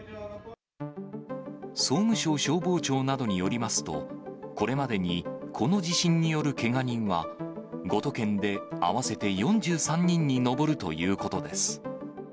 総務省消防庁などによりますと、これまでにこの地震によるけが人は、５都県で合わせて４３人に上るということです。